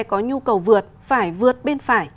có nhu cầu vượt phải vượt bên phải